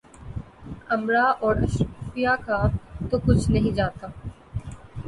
امرا اور اشرافیہ کا تو کچھ نہیں جاتا۔